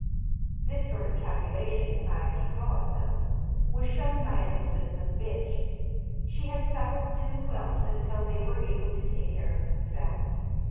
This sort of calculation, if I may call it is so, was shown by a Newfoundland bitch. She had suckled two whelps until they were able to take care of themselves.